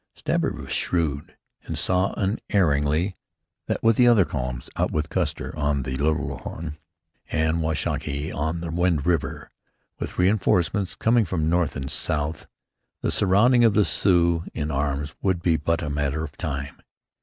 Stabber was shrewd, and saw unerringly that with other columns out from Custer on the Little Horn and Washakie on the Wind River, with reinforcements coming from north and south, the surrounding of the Sioux in arms would be but a matter of time.